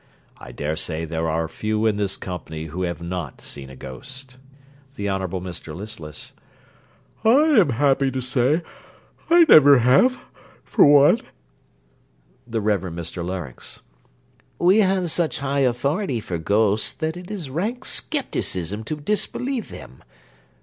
I dare say there are few in this company who have not seen a ghost. THE HONOURABLE MR LISTLESS I am happy to say, I never have, for one. THE REVEREND MR LARYNX We have such high authority for ghosts, that it is rank scepticism to disbelieve them.